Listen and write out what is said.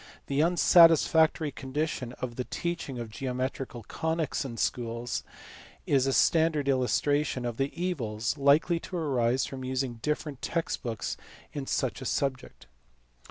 The unsatisfactory condition of the teaching of geometrical conies in schools is a standard illustration of the evils likely to arise from using different text books in such ,a subject.